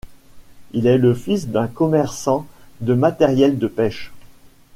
Il est le fils d'un commerçant de matériel de pêche.